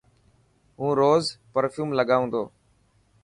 هون روز پرفيوم لگائون تو.